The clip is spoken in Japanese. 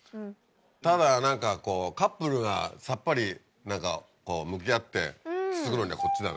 ただ何かこうカップルがさっぱり何かこう向き合ってするのにはこっちだね。